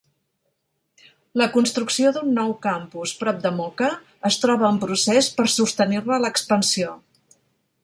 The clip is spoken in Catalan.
La construcció d'un nou campus prop de Moka es troba en procés per sostenir-ne l'expansió.